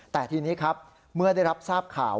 แต่ทีนี้ครับเมื่อได้รับทราบข่าว